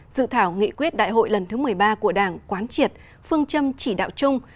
dự thảo nghị quyết đại hội lần thứ một mươi ba của đảng quán triệt phương châm chỉ đạo chung